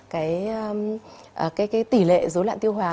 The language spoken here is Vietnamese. cái tỷ lệ dối loạn tiêu hóa